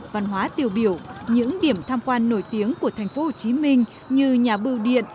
văn hóa tiêu biểu những điểm tham quan nổi tiếng của thành phố hồ chí minh như nhà bưu điện